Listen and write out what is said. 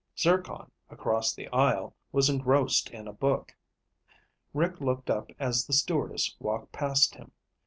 Zircon, across the aisle, was engrossed in a book. Rick looked up as the stewardess walked past him.